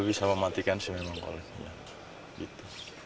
bisa mematikan sih memang kalau gitu